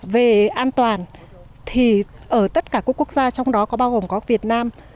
về an toàn thì ở tất cả các quốc gia trong đó có bao gồm có việt nam